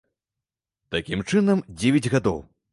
Такім чынам, дзевяць гадоў.